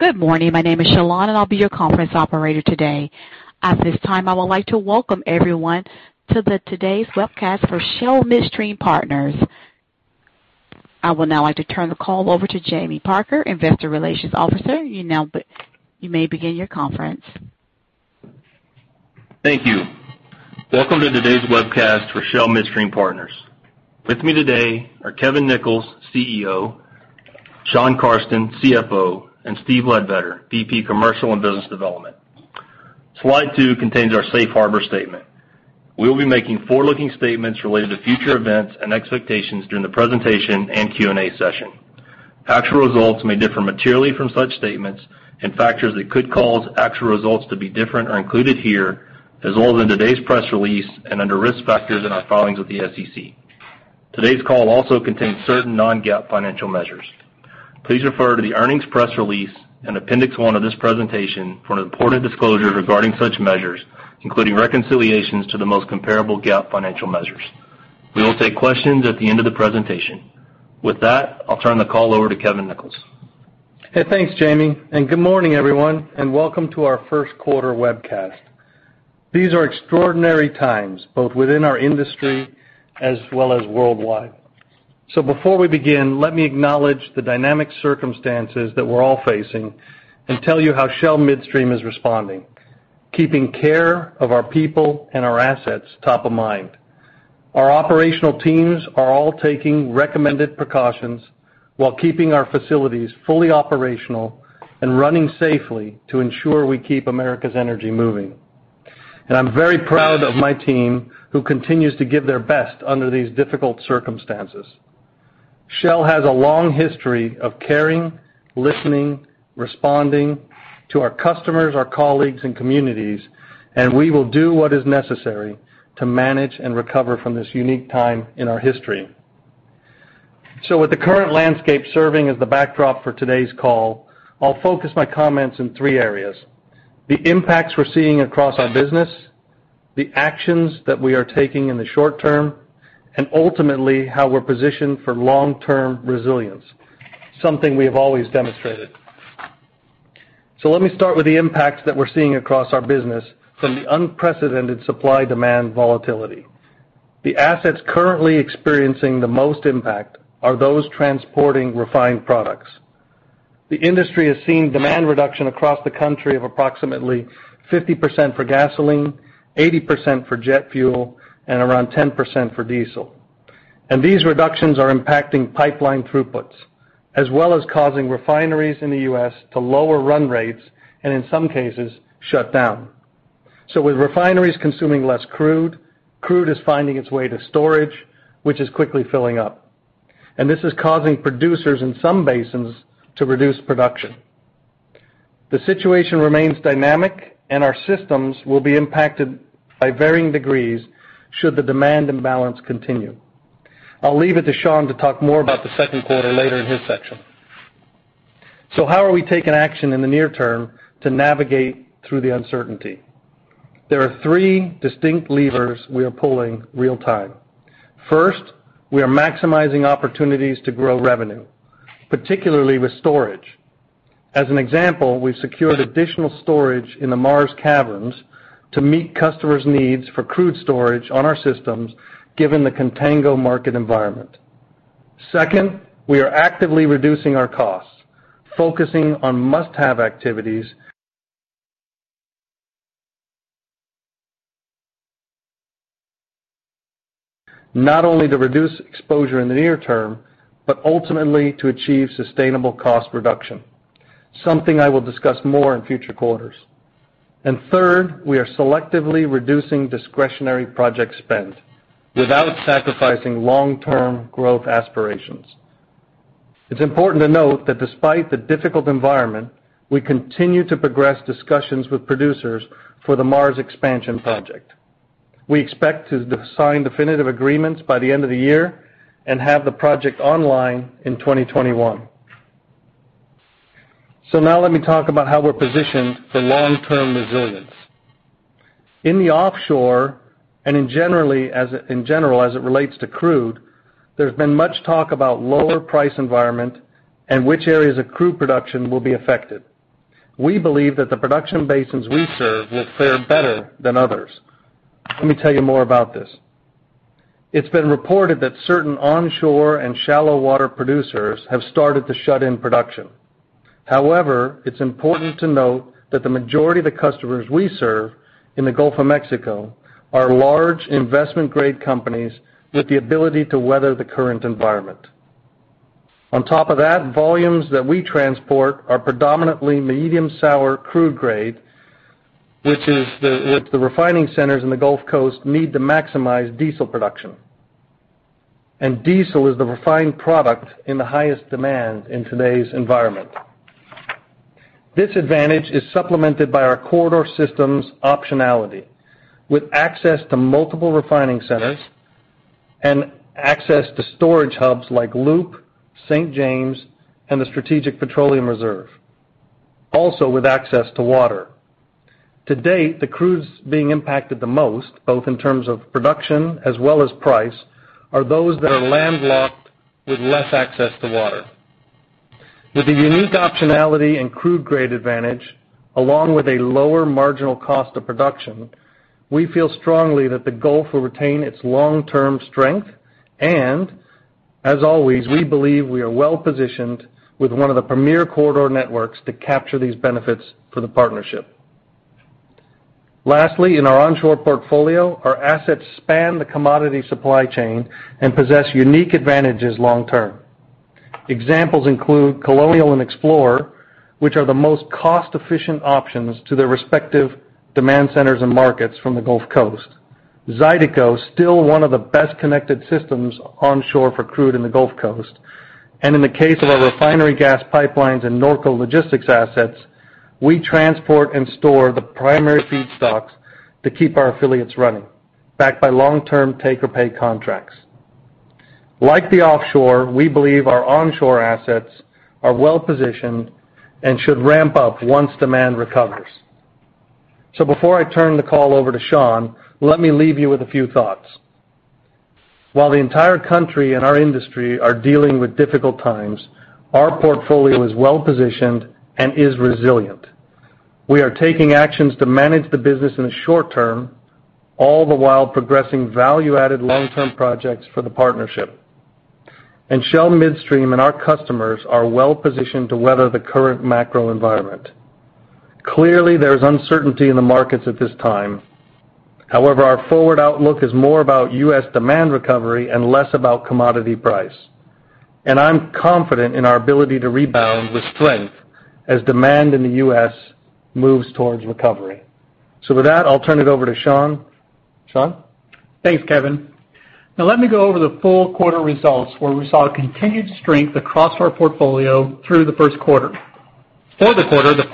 Good morning. My name is Shalon, and I'll be your conference operator today. At this time, I would like to welcome everyone to the today's webcast for Shell Midstream Partners. I would now like to turn the call over to Jamie Parker, Investor Relations Officer. You may begin your conference. Thank you. Welcome to today's webcast for Shell Midstream Partners. With me today are Kevin Nichols, CEO, Shawn Carsten, CFO, and Steve Ledbetter, VP Commercial and Business Development. Slide two contains our safe harbor statement. We will be making forward-looking statements related to future events and expectations during the presentation and Q&A session. Actual results may differ materially from such statements, and factors that could cause actual results to be different are included here, as well as in today's press release and under risk factors in our filings with the SEC. Today's call also contains certain non-GAAP financial measures. Please refer to the earnings press release and appendix one of this presentation for an important disclosure regarding such measures, including reconciliations to the most comparable GAAP financial measures. We will take questions at the end of the presentation. With that, I'll turn the call over to Kevin Nichols. Thanks, Jamie, and good morning, everyone, and welcome to our first quarter webcast. These are extraordinary times, both within our industry as well as worldwide. Before we begin, let me acknowledge the dynamic circumstances that we're all facing and tell you how Shell Midstream is responding, keeping care of our people and our assets top of mind. Our operational teams are all taking recommended precautions while keeping our facilities fully operational and running safely to ensure we keep America's energy moving. I'm very proud of my team who continues to give their best under these difficult circumstances. Shell has a long history of caring, listening, responding to our customers, our colleagues, and communities, we will do what is necessary to manage and recover from this unique time in our history. With the current landscape serving as the backdrop for today's call, I'll focus my comments in three areas: the impacts we're seeing across our business, the actions that we are taking in the short term, and ultimately, how we're positioned for long-term resilience, something we have always demonstrated. Let me start with the impacts that we're seeing across our business from the unprecedented supply-demand volatility. The assets currently experiencing the most impact are those transporting refined products. The industry has seen demand reduction across the country of approximately 50% for gasoline, 80% for jet fuel, and around 10% for diesel. These reductions are impacting pipeline throughputs, as well as causing refineries in the U.S. to lower run rates and, in some cases, shut down. With refineries consuming less crude is finding its way to storage, which is quickly filling up, and this is causing producers in some basins to reduce production. The situation remains dynamic, and our systems will be impacted by varying degrees should the demand imbalance continue. I'll leave it to Shawn to talk more about the second quarter later in his section. How are we taking action in the near term to navigate through the uncertainty? There are three distinct levers we are pulling real-time. First, we are maximizing opportunities to grow revenue, particularly with storage. As an example, we've secured additional storage in the Mars caverns to meet customers' needs for crude storage on our systems given the contango market environment. Second, we are actively reducing our costs, focusing on must-have activities. Not only to reduce exposure in the near term, but ultimately to achieve sustainable cost reduction, something I will discuss more in future quarters. Third, we are selectively reducing discretionary project spend without sacrificing long-term growth aspirations. It's important to note that despite the difficult environment, we continue to progress discussions with producers for the Mars expansion project. We expect to sign definitive agreements by the end of the year and have the project online in 2021. Now let me talk about how we're positioned for long-term resilience. In the offshore, and in general, as it relates to crude, there's been much talk about lower price environment and which areas of crude production will be affected. We believe that the production basins we serve will fare better than others. Let me tell you more about this. It's been reported that certain onshore and shallow water producers have started to shut in production. However, it's important to note that the majority of the customers we serve in the Gulf of Mexico are large investment-grade companies with the ability to weather the current environment. On top of that, volumes that we transport are predominantly medium sour crude grade, which is the refining centers in the Gulf Coast need to maximize diesel production. Diesel is the refined product in the highest demand in today's environment. This advantage is supplemented by our corridor systems optionality, with access to multiple refining centers and access to storage hubs like LOOP, St. James, and the Strategic Petroleum Reserve, also with access to water. To date, the crudes being impacted the most, both in terms of production as well as price, are those that are landlocked with less access to water. With the unique optionality and crude grade advantage, along with a lower marginal cost of production, we feel strongly that the Gulf will retain its long-term strength. As always, we believe we are well-positioned with one of the premier corridor networks to capture these benefits for the partnership. Lastly, in our onshore portfolio, our assets span the commodity supply chain and possess unique advantages long term. Examples include Colonial and Explorer, which are the most cost-efficient options to their respective demand centers and markets from the Gulf Coast. Zydeco is still one of the best-connected systems onshore for crude in the Gulf Coast. In the case of our refinery gas pipelines and Norco Logistics assets, we transport and store the primary feedstocks to keep our affiliates running, backed by long-term take-or-pay contracts. Like the offshore, we believe our onshore assets are well-positioned and should ramp up once demand recovers. Before I turn the call over to Shawn, let me leave you with a few thoughts. While the entire country and our industry are dealing with difficult times, our portfolio is well-positioned and is resilient. We are taking actions to manage the business in the short term, all the while progressing value-added long-term projects for the partnership. Shell Midstream and our customers are well-positioned to weather the current macro environment. Clearly, there's uncertainty in the markets at this time. However, our forward outlook is more about U.S. demand recovery and less about commodity price. I'm confident in our ability to rebound with strength as demand in the U.S. moves towards recovery. With that, I'll turn it over to Shawn. Shawn? Thanks, Kevin. Let me go over the full quarter results where we saw continued strength across our portfolio through the first quarter. For the quarter, the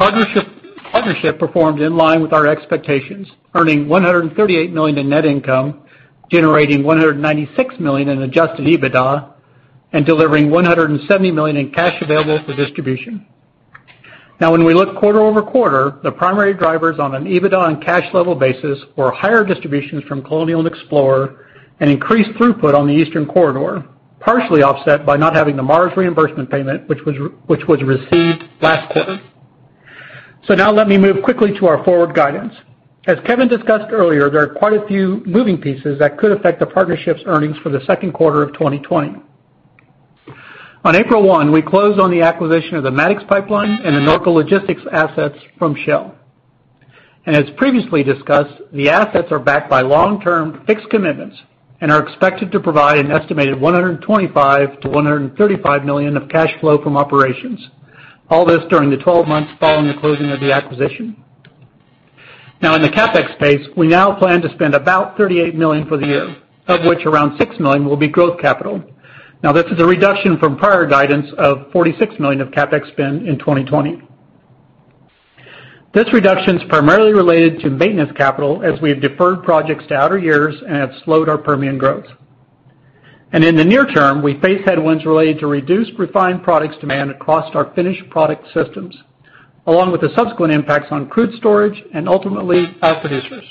partnership performed in line with our expectations, earning $138 million in net income, generating $196 million in adjusted EBITDA, and delivering $170 million in cash available for distribution. When we look quarter-over-quarter, the primary drivers on an EBITDA and cash level basis were higher distributions from Colonial and Explorer, and increased throughput on the Eastern Corridor, partially offset by not having the Mars reimbursement payment, which was received last quarter. Let me move quickly to our forward guidance. As Kevin discussed earlier, there are quite a few moving pieces that could affect the partnership's earnings for the second quarter of 2020. On April 1, we closed on the acquisition of the Mattox Pipeline and the Norco Logistics assets from Shell. As previously discussed, the assets are backed by long-term fixed commitments and are expected to provide an estimated $125 million to $135 million of cash flow from operations, all this during the 12 months following the closing of the acquisition. In the CapEx space, we now plan to spend about $38 million for the year, of which around $6 million will be growth capital. This is a reduction from prior guidance of $46 million of CapEx spend in 2020. This reduction's primarily related to maintenance capital, as we have deferred projects to outer years and have slowed our Permian growth. In the near term, we face headwinds related to reduced refined products demand across our finished product systems, along with the subsequent impacts on crude storage and ultimately our producers.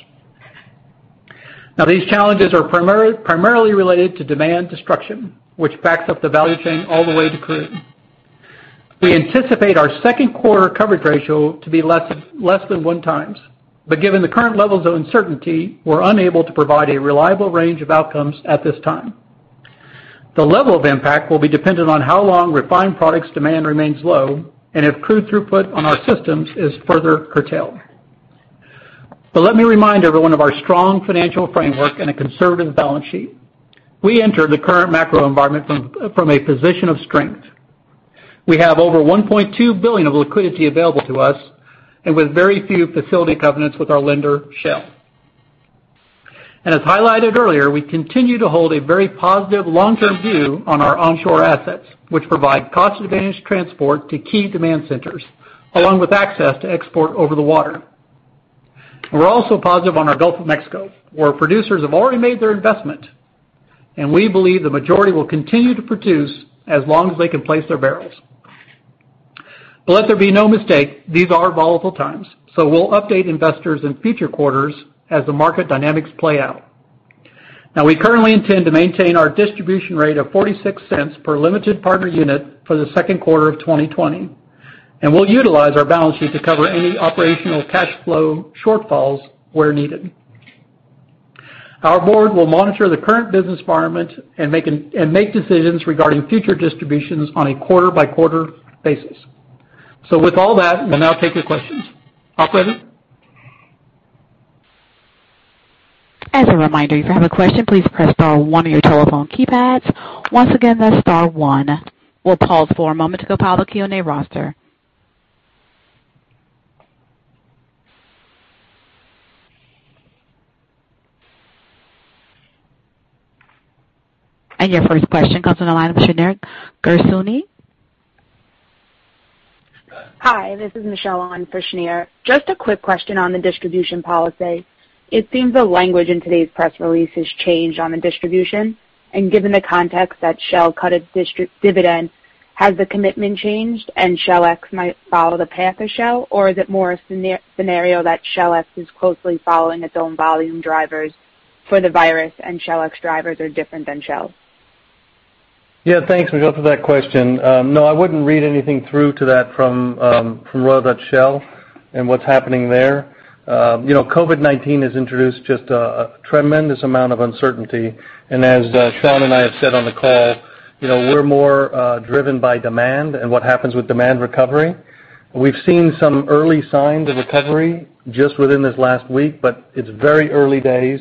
These challenges are primarily related to demand destruction, which backs up the value chain all the way to crude. We anticipate our second quarter coverage ratio to be less than one times. Given the current levels of uncertainty, we're unable to provide a reliable range of outcomes at this time. The level of impact will be dependent on how long refined products demand remains low and if crude throughput on our systems is further curtailed. Let me remind everyone of our strong financial framework and a conservative balance sheet. We enter the current macro environment from a position of strength. We have over $1.2 billion of liquidity available to us with very few facility covenants with our lender, Shell. As highlighted earlier, we continue to hold a very positive long-term view on our onshore assets, which provide cost-advantaged transport to key demand centers, along with access to export over the water. We are also positive on our Gulf of Mexico, where producers have already made their investment, and we believe the majority will continue to produce as long as they can place their barrels. Let there be no mistake, these are volatile times, we will update investors in future quarters as the market dynamics play out. We currently intend to maintain our distribution rate of $0.46 per limited partner unit for the second quarter of 2020, and we will utilize our balance sheet to cover any operational cash flow shortfalls where needed. Our board will monitor the current business environment and make decisions regarding future distributions on a quarter-by-quarter basis. With all that, we will now take your questions. Operator? As a reminder, if you have a question, please press star one on your telephone keypads. Once again, that is star one. We will pause for a moment to compile the Q&A roster. Your first question comes on the line with Shneur Gershuni. Hi, this is Michelle on for Shneur. Just a quick question on the distribution policy. It seems the language in today's press release has changed on the distribution. Given the context that Shell cut its dividend, has the commitment changed and SHLX might follow the path of Shell? Is it more a scenario that SHLX is closely following its own volume drivers for the COVID-19, and SHLX drivers are different than Shell's? Yeah, thanks, Michelle, for that question. No, I wouldn't read anything through to that from Royal Dutch Shell and what's happening there. COVID-19 has introduced just a tremendous amount of uncertainty. As Shawn and I have said on the call, we're more driven by demand and what happens with demand recovery. We've seen some early signs of recovery just within this last week, but it's very early days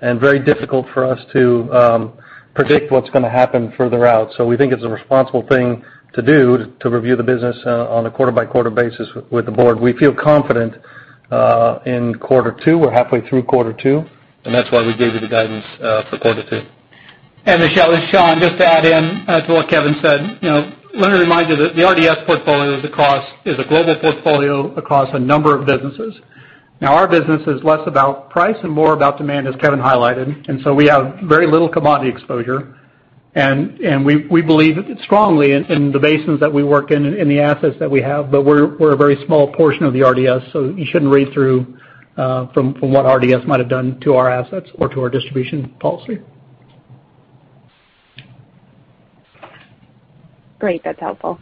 and very difficult for us to predict what's going to happen further out. We think it's a responsible thing to do to review the business on a quarter-by-quarter basis with the board. We feel confident in quarter two. We're halfway through quarter two, and that's why we gave you the guidance for quarter two. Michelle, it's Shawn. Just to add in to what Kevin said. Let me remind you that the RDS portfolio is a global portfolio across a number of businesses. Now, our business is less about price and more about demand, as Kevin highlighted. We have very little commodity exposure. We believe strongly in the basins that we work in and the assets that we have, but we're a very small portion of the RDS, so you shouldn't read through from what RDS might have done to our assets or to our distribution policy. Great. That's helpful.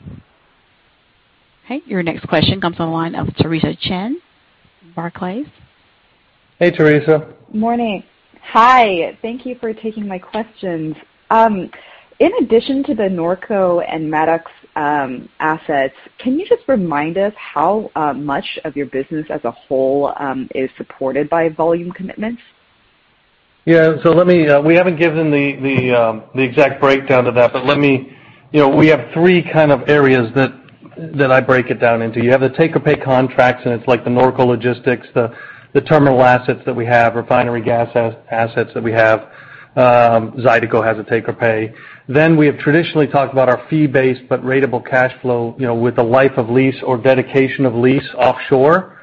Okay, your next question comes on the line of Theresa Chen, Barclays. Hey, Theresa. Morning. Hi, thank you for taking my questions. In addition to the Norco and Mattox assets, can you just remind us how much of your business as a whole is supported by volume commitments? Yeah. We haven't given the exact breakdown of that. We have three areas that I break it down into. You have the take-or-pay contracts, and it's like the Norco Logistics, the terminal assets that we have, refinery gas assets that we have. Zydeco has a take-or-pay. Then we have traditionally talked about our fee-based but ratable cash flow with the life of lease or dedication of lease offshore.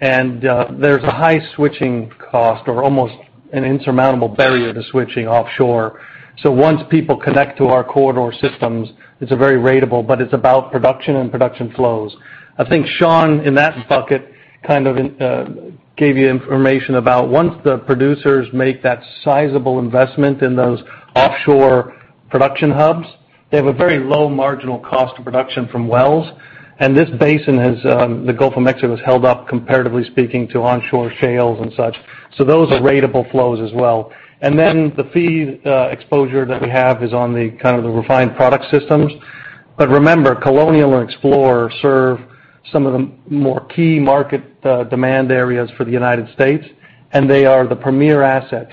There's a high switching cost or almost an insurmountable barrier to switching offshore. Once people connect to our corridor systems, it's very ratable, but it's about production and production flows. I think Shawn, in that bucket, gave you information about once the producers make that sizable investment in those offshore production hubs, they have a very low marginal cost of production from wells. This basin, the Gulf of Mexico, has held up comparatively speaking to onshore shales and such. Those are ratable flows as well. Then the fee exposure that we have is on the refined product systems. Remember, Colonial and Explorer serve some of the more key market demand areas for the United States, and they are the premier assets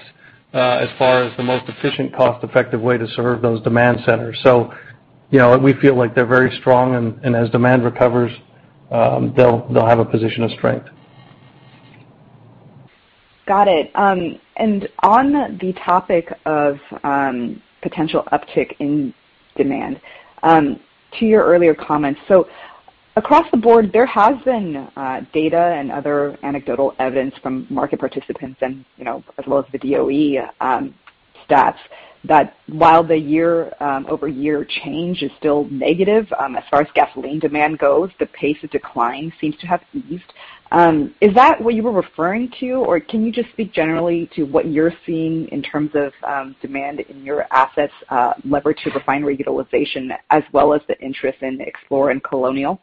as far as the most efficient, cost-effective way to serve those demand centers. We feel like they're very strong, and as demand recovers, they'll have a position of strength. Got it. On the topic of potential uptick in demand, to your earlier comments. Across the board, there has been data and other anecdotal evidence from market participants and as well as the DOE stats that while the year-over-year change is still negative as far as gasoline demand goes, the pace of decline seems to have eased. Is that what you were referring to? Or can you just speak generally to what you're seeing in terms of demand in your assets leveraged to refinery utilization as well as the interest in Explorer Pipeline and Colonial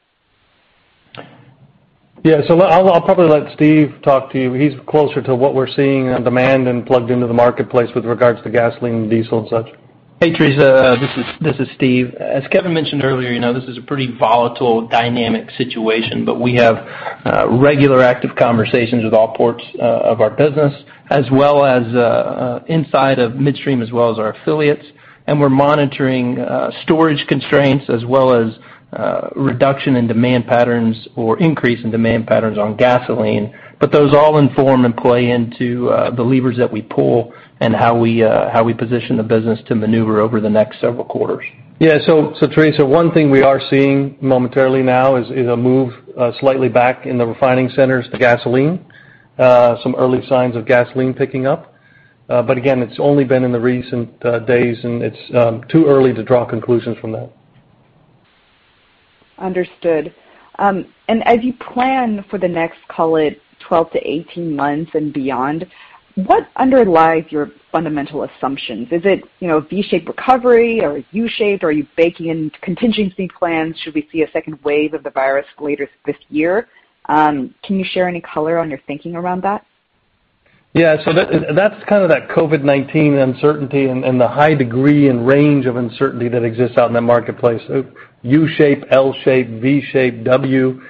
Pipeline? Yeah. I'll probably let Steve talk to you. He's closer to what we're seeing on demand and plugged into the marketplace with regards to gasoline and diesel and such. Hey, Theresa. This is Steve. As Kevin mentioned earlier, this is a pretty volatile dynamic situation, but we have regular active conversations with all ports of our business, inside of midstream, as well as our affiliates, and we're monitoring storage constraints as well as reduction in demand patterns or increase in demand patterns on gasoline. Those all inform and play into the levers that we pull and how we position the business to maneuver over the next several quarters. Yeah. Theresa, one thing we are seeing momentarily now is a move slightly back in the refining centers to gasoline. Some early signs of gasoline picking up. Again, it's only been in the recent days, and it's too early to draw conclusions from that. As you plan for the next, call it 12 to 18 months and beyond, what underlies your fundamental assumptions? Is it V-shaped recovery? Is it U-shaped? Are you baking in contingency plans should we see a second wave of the virus later this year? Can you share any color on your thinking around that? Yeah. That's kind of that COVID-19 uncertainty and the high degree and range of uncertainty that exists out in the marketplace. U shape, L shape, V shape, W.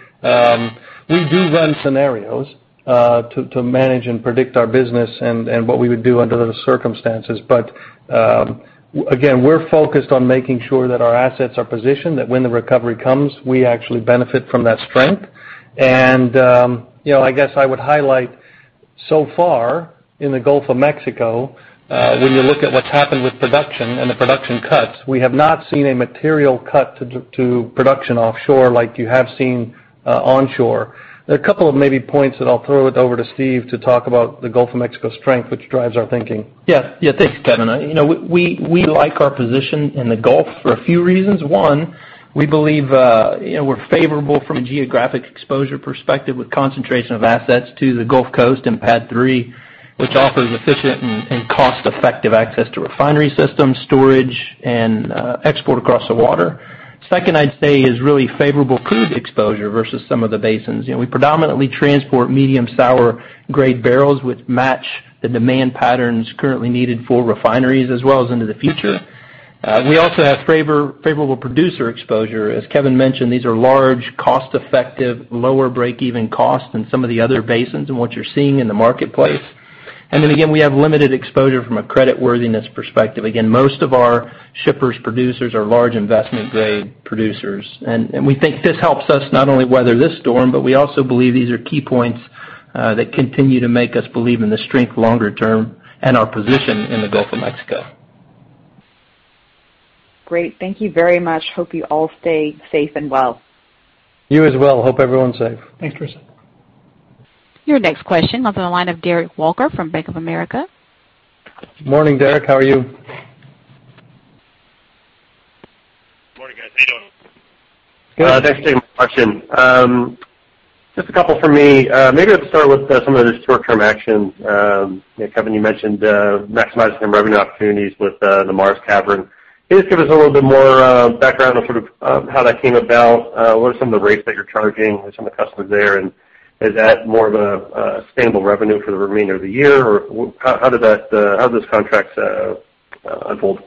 We do run scenarios to manage and predict our business and what we would do under those circumstances. Again, we're focused on making sure that our assets are positioned, that when the recovery comes, we actually benefit from that strength. I guess I would highlight so far in the Gulf of Mexico, when you look at what's happened with production and the production cuts, we have not seen a material cut to production offshore like you have seen onshore. There are a couple of maybe points that I'll throw it over to Steve to talk about the Gulf of Mexico strength, which drives our thinking. Yeah. Thanks, Kevin. We like our position in the Gulf for a few reasons. One We believe we're favorable from a geographic exposure perspective with concentration of assets to the Gulf Coast and PADD 3, which offers efficient and cost-effective access to refinery systems, storage, and export across the water. Second, I'd say, is really favorable crude exposure versus some of the basins. We predominantly transport medium sour grade barrels which match the demand patterns currently needed for refineries as well as into the future. We also have favorable producer exposure. As Kevin mentioned, these are large, cost-effective, lower break-even costs than some of the other basins in what you're seeing in the marketplace. Then again, we have limited exposure from a creditworthiness perspective. Again, most of our shippers, producers are large investment-grade producers. We think this helps us not only weather this storm, but we also believe these are key points that continue to make us believe in the strength longer term and our position in the Gulf of Mexico. Great. Thank you very much. Hope you all stay safe and well. You as well. Hope everyone's safe. Thanks, Theresa. Your next question comes on the line of Derek Walker from Bank of America. Morning, Derek, how are you? Morning, guys. How you doing? Good. Thanks, Steve. Just a couple from me. Maybe I'll start with some of the short-term actions. Kevin, you mentioned maximizing revenue opportunities with the Mars Cavern. Can you just give us a little bit more background on how that came about? What are some of the rates that you're charging some of the customers there, and is that more of a sustainable revenue for the remainder of the year, or how did those contracts unfold?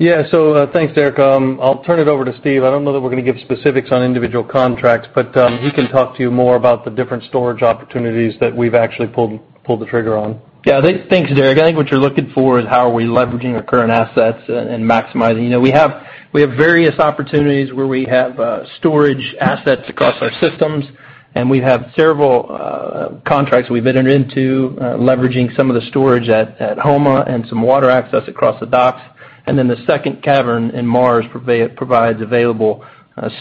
Thanks, Derek. I'll turn it over to Steve. I don't know that we're going to give specifics on individual contracts, but he can talk to you more about the different storage opportunities that we've actually pulled the trigger on. Thanks, Derek. I think what you're looking for is how are we leveraging our current assets and maximizing. We have various opportunities where we have storage assets across our systems, and we have several contracts we've entered into leveraging some of the storage at Houma and some water access across the docks. Then the second cavern in Mars provides available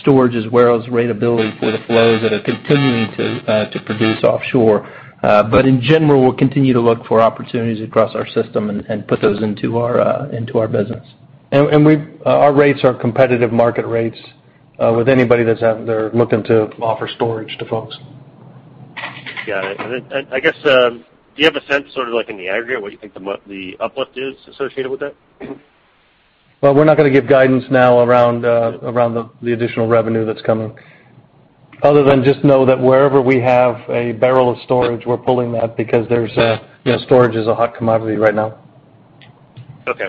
storage as well as ratability for the flows that are continuing to produce offshore. In general, we'll continue to look for opportunities across our system and put those into our business. Our rates are competitive market rates with anybody that's out there looking to offer storage to folks. Got it. I guess, do you have a sense, sort of like in the aggregate, what you think the uplift is associated with that? Well, we're not going to give guidance now around the additional revenue that's coming. Other than just know that wherever we have a barrel of storage, we're pulling that because storage is a hot commodity right now. Okay.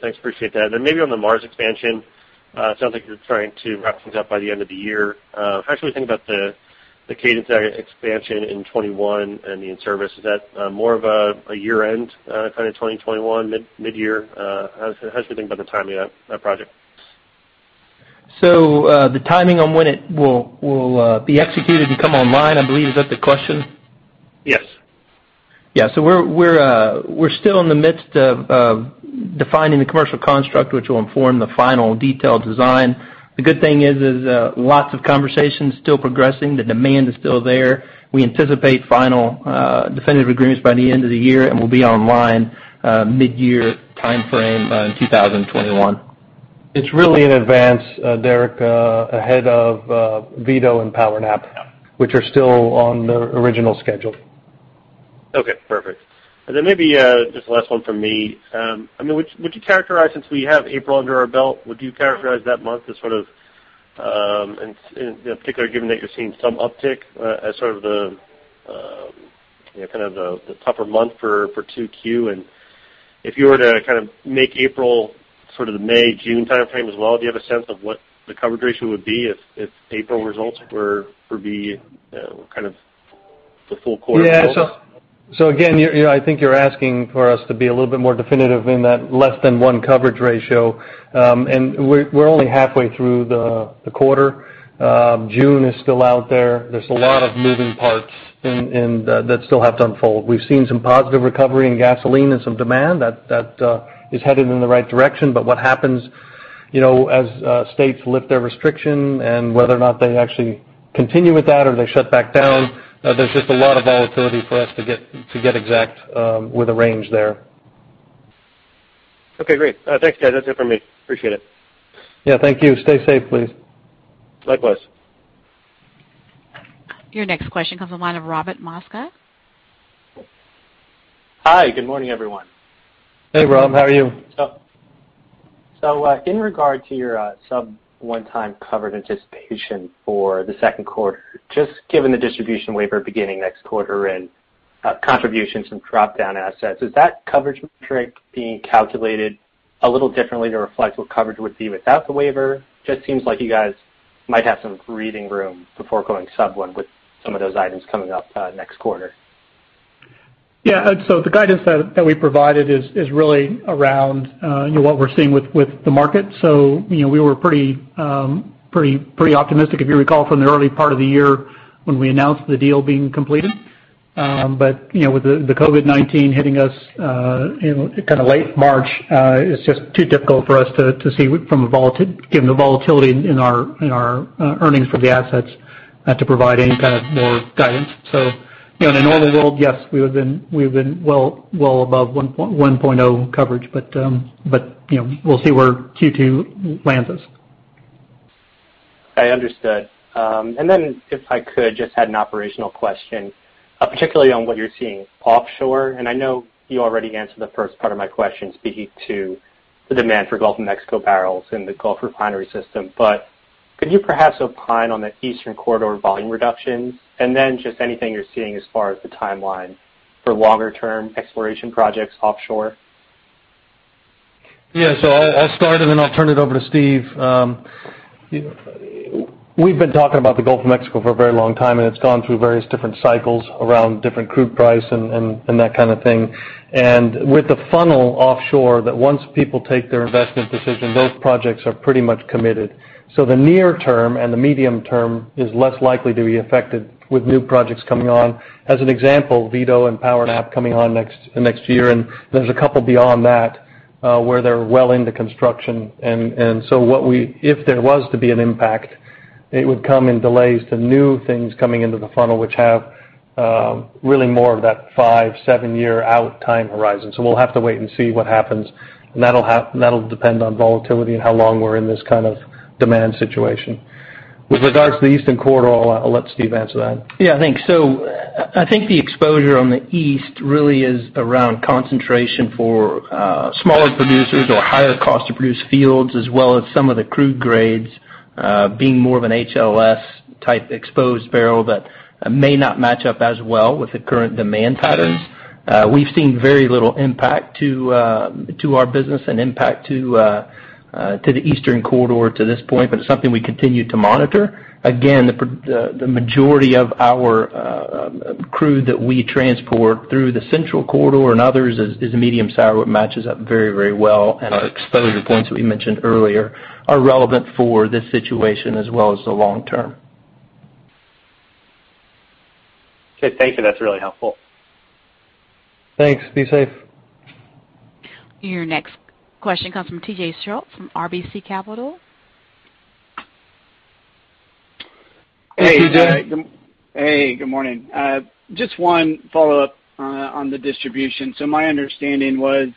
Thanks. Appreciate that. Maybe on the Mars expansion, it sounds like you're trying to wrap things up by the end of the year. How should we think about the cadence expansion in 2021 and the in-service? Is that more of a year-end kind of 2021, mid-year? How should we think about the timing of that project? The timing on when it will be executed and come online, I believe, is that the question? Yes. Yeah. We're still in the midst of defining the commercial construct, which will inform the final detailed design. The good thing is lots of conversations still progressing. The demand is still there. We anticipate final definitive agreements by the end of the year, and we'll be online mid-year timeframe in 2021. It's really in advance, Derek, ahead of Vito and Power Nap, which are still on the original schedule. Okay, perfect. Then maybe just the last one from me. Since we have April under our belt, would you characterize that month as sort of, in particular, given that you're seeing some uptick as sort of the tougher month for 2Q? If you were to kind of make April sort of the May, June timeframe as well, do you have a sense of what the coverage ratio would be if April results were to be kind of the full quarter close? Yeah. Again, I think you're asking for us to be a little bit more definitive in that less than one coverage ratio. We're only halfway through the quarter. June is still out there. There's a lot of moving parts that still have to unfold. We've seen some positive recovery in gasoline and some demand that is headed in the right direction. What happens as states lift their restriction and whether or not they actually continue with that or they shut back down, there's just a lot of volatility for us to get exact with a range there. Okay, great. Thanks, guys. That's it for me. Appreciate it. Yeah, thank you. Stay safe, please. Likewise. Your next question comes on the line of Robert Mosca. Hi, good morning, everyone. Hey, Rob. How are you? In regard to your sub one time coverage anticipation for the second quarter, just given the distribution waiver beginning next quarter and contributions from drop-down assets, is that coverage metric being calculated a little differently to reflect what coverage would be without the waiver? Just seems like you guys might have some breathing room before going sub one with some of those items coming up next quarter. Yeah. The guidance that we provided is really around what we're seeing with the market. We were pretty optimistic, if you recall, from the early part of the year when we announced the deal being completed. With the COVID-19 hitting us kind of late March, it's just too difficult for us, given the volatility in our earnings for the assets, to provide any kind of more guidance. In a normal world, yes, we would have been well above 1.0 coverage, we'll see where Q2 lands us. I understood. If I could just add an operational question, particularly on what you're seeing offshore. I know you already answered the first part of my question, speaking to the demand for Gulf of Mexico barrels in the Gulf refinery system. Could you perhaps opine on the eastern corridor volume reductions, just anything you're seeing as far as the timeline for longer-term exploration projects offshore? Yeah. I'll start and then I'll turn it over to Steve. We've been talking about the Gulf of Mexico for a very long time, and it's gone through various different cycles around different crude price and that kind of thing. With the funnel offshore that once people take their investment decision, those projects are pretty much committed. The near term and the medium term is less likely to be affected with new projects coming on. As an example, Vito and Power Nap coming on the next year, and there's a couple beyond that, where they're well into construction. If there was to be an impact, it would come in delays to new things coming into the funnel, which have really more of that five, seven-year-out time horizon. We'll have to wait and see what happens. That'll depend on volatility and how long we're in this kind of demand situation. With regards to the eastern corridor, I'll let Steve answer that. Yeah, thanks. I think the exposure on the east really is around concentration for smaller producers or higher cost to produce fields, as well as some of the crude grades being more of an HLS-type exposed barrel that may not match up as well with the current demand patterns. We've seen very little impact to our business and impact to the Eastern Corridor to this point, it's something we continue to monitor. Again, the majority of our crude that we transport through the Central Corridor and others is a medium sour. It matches up very well, and our exposure points that we mentioned earlier are relevant for this situation as well as the long term. Okay. Thank you. That's really helpful. Thanks. Be safe. Your next question comes from T.J. Schultz from RBC Capital Markets. Hey. Hey, good morning. Just one follow-up on the distribution. My understanding was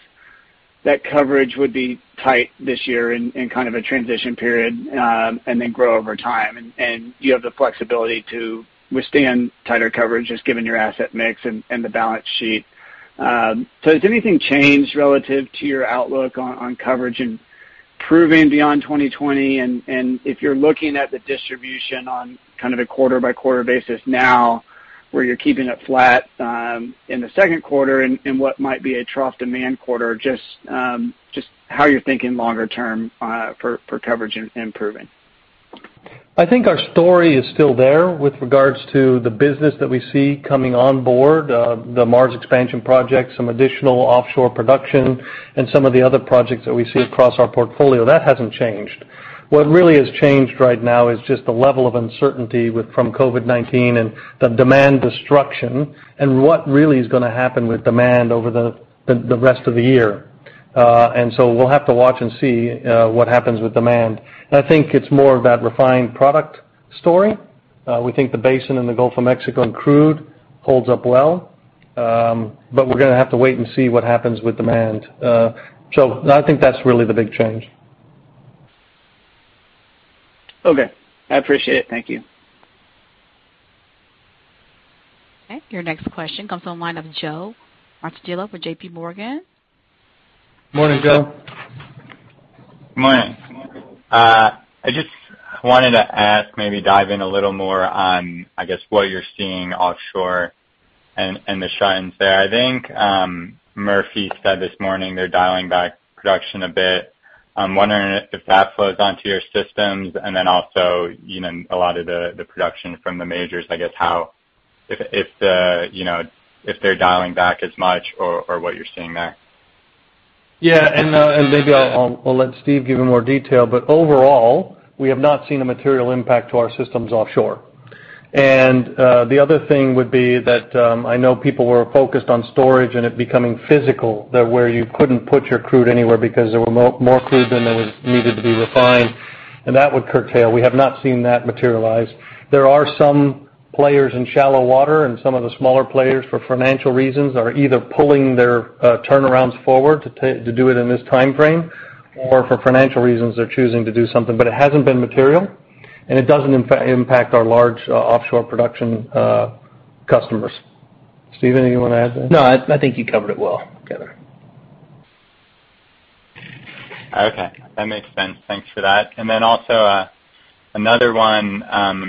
that coverage would be tight this year in kind of a transition period, and then grow over time. You have the flexibility to withstand tighter coverage just given your asset mix and the balance sheet. Has anything changed relative to your outlook on coverage improving beyond 2020? If you're looking at the distribution on kind of a quarter-by-quarter basis now where you're keeping it flat in the second quarter, in what might be a trough demand quarter, just how you're thinking longer term for coverage improving? I think our story is still there with regards to the business that we see coming on board, the Mars expansion project, some additional offshore production, and some of the other projects that we see across our portfolio. That hasn't changed. What really has changed right now is just the level of uncertainty from COVID-19 and the demand destruction, and what really is going to happen with demand over the rest of the year. We'll have to watch and see what happens with demand. I think it's more of that refined product story. We think the basin in the Gulf of Mexico and crude holds up well. We're going to have to wait and see what happens with demand. I think that's really the big change. Okay. I appreciate it. Thank you. Okay, your next question comes on the line of Joe Martoglio with JPMorgan. Morning, Joe. Morning. I just wanted to ask, maybe dive in a little more on, I guess, what you're seeing offshore and the trends there. I think Murphy said this morning they're dialing back production a bit. I'm wondering if that flows onto your systems and then also a lot of the production from the majors, I guess, if they're dialing back as much or what you're seeing there. Maybe I'll let Steve give you more detail. Overall, we have not seen a material impact to our systems offshore. The other thing would be that I know people were focused on storage and it becoming physical, that where you couldn't put your crude anywhere because there was more crude than there was needed to be refined, and that would curtail. We have not seen that materialize. There are some players in shallow water, and some of the smaller players, for financial reasons, are either pulling their turnarounds forward to do it in this timeframe or for financial reasons, they're choosing to do something. It hasn't been material, and it doesn't impact our large offshore production customers. Steve, anything you want to add there? No, I think you covered it well, Kevin. Okay. That makes sense. Thanks for that. Also another one.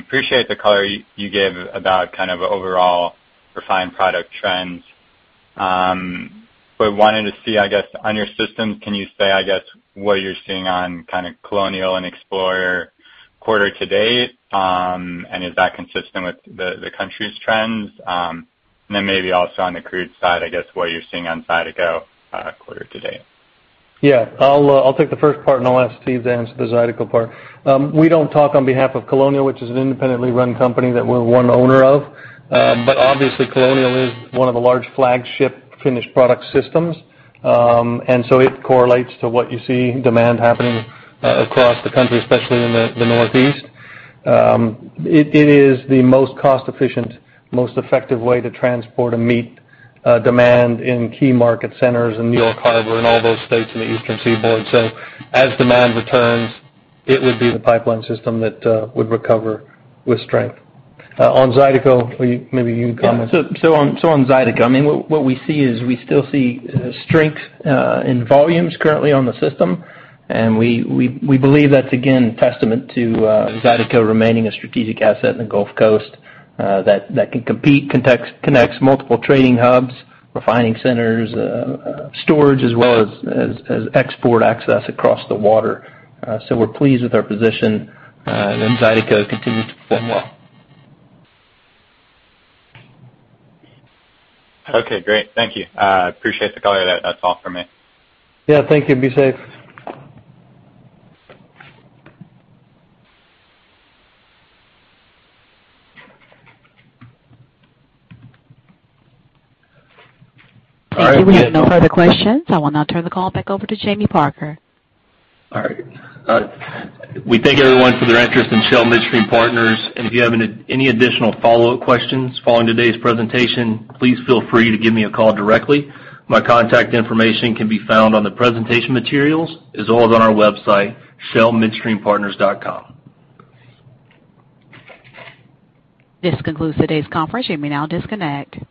Appreciate the color you gave about kind of overall refined product trends. Wanted to see, I guess, on your systems, can you say, I guess, what you're seeing on kind of Colonial and Explorer quarter to date? Is that consistent with the country's trends? Then maybe also on the crude side, I guess what you're seeing on Zydeco quarter to date. Yeah. I'll take the first part, and I'll ask Steve to answer the Zydeco part. We don't talk on behalf of Colonial, which is an independently run company that we're one owner of. Obviously, Colonial is one of the large flagship finished product systems. It correlates to what you see demand happening across the country, especially in the Northeast. It is the most cost-efficient, most effective way to transport and meet demand in key market centers in New York Harbor and all those states in the Eastern Seaboard. As demand returns, it would be the pipeline system that would recover with strength. On Zydeco, maybe you can comment. On Zydeco, what we see is we still see strength in volumes currently on the system, and we believe that is again testament to Zydeco remaining a strategic asset in the Gulf Coast that can compete, connects multiple trading hubs, refining centers, storage as well as export access across the water. We are pleased with our position, and Zydeco continues to perform well. Okay, great. Thank you. Appreciate the color. That is all for me. Yeah, thank you. Be safe. All right. We have no further questions. I will now turn the call back over to Jamie Parker. All right. We thank everyone for their interest in Shell Midstream Partners, If you have any additional follow-up questions following today's presentation, please feel free to give me a call directly. My contact information can be found on the presentation materials as well as on our website, shellmidstreampartners.com. This concludes today's conference. You may now disconnect.